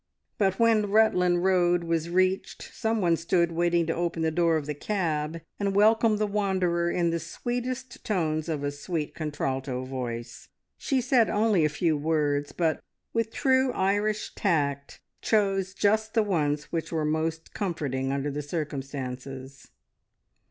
But when Rutland Road was reached someone stood waiting to open the door of the cab and welcome the wanderer in the sweetest tones of a sweet contralto voice. She said only a few words, but with true Irish tact chose just the ones which were most comforting under the circumstances.